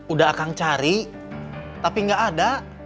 udah akang cari tapi nggak ada